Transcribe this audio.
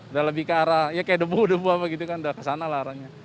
udah lebih ke arah ya kayak debu debu apa gitu kan udah kesana lah arahnya